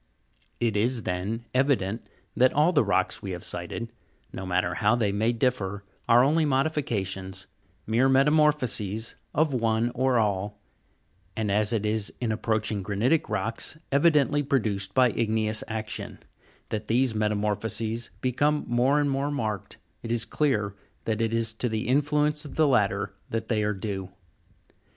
It is, then, evident that all the rocks we have cited, no matter how they may differ, are only modifications, mere metamorphoses of one or all ; and, as it is in approaching granitic rocks, evidently produced by igneous action, that these metamorphoses become more and more marked, jt is clear that it is to the influence of the latter that they are due.